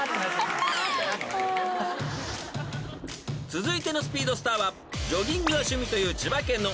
［続いてのスピードスターはジョギングが趣味という千葉県の］